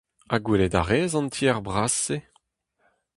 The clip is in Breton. Ha gwelet a rez an tiez bras-se ?